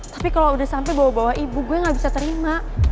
tapi kalau udah sampai bawa bawa ibu gue gak bisa terima